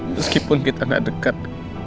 meskipun kita gak dekat